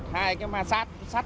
hai cái mà sát